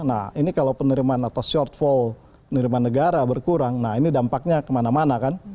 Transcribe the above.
nah ini kalau penerimaan atau shortfall penerimaan negara berkurang nah ini dampaknya kemana mana kan